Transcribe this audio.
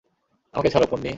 আমাকে ছাড়ো, পোন্নি।